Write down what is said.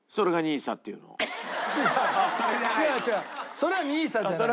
それはＮＩＳＡじゃない。